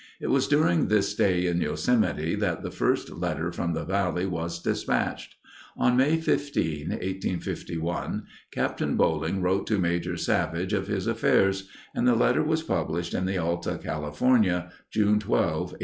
It was during this stay in Yosemite that the first letter from the valley was dispatched. On May 15, 1851, Captain Boling wrote to Major Savage of his affairs, and the letter was published in the Alta California, June 12, 1851.